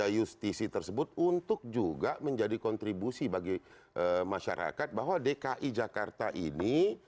justisi tersebut untuk juga menjadi kontribusi bagi masyarakat bahwa dki jakarta ini